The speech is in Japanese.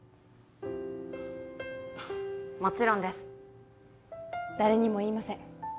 もちろんです誰にも言いません